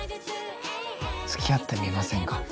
つきあってみませんか？